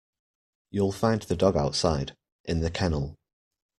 You'll find the dog outside, in the kennel